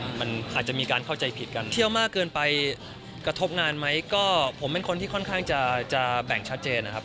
มันอาจจะมีการเข้าใจผิดกันเที่ยวมากเกินไปกระทบงานไหมก็ผมเป็นคนที่ค่อนข้างจะจะแบ่งชัดเจนนะครับ